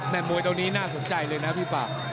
แต่มวยตรงนี้น่าสนใจเลยนะพี่ปาก